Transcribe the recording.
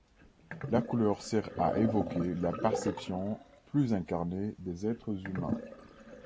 La couleur sert à évoquer la perception plus incarnée des êtres humains.